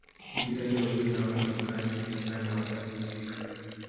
Wakitaja majina ya watu wa kale kulingana na wakati husika